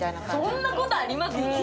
そんなことあります？